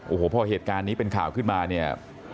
โอ้โหพอเหตุการณ์นี้เป็นข่าวขึ้นมาเนี่ย